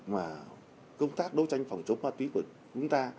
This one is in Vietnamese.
mà công tác đấu tranh phòng chống ma túy của chúng ta